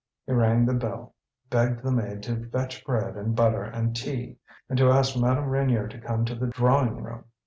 He rang the bell, begged the maid to fetch bread and butter and tea and to ask Madame Reynier to come to the drawing room.